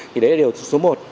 thì đấy là điều số một